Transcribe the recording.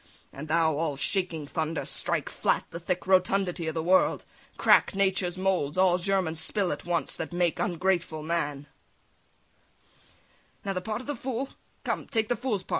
And thou, all shaking thunder, Strike flat the thick rotundity o' the world! Crack nature's moulds, all germons spill at once That make ungrateful man!" [Impatiently] Now, the part of the fool. [Stamps his foot] Come take the fool's part!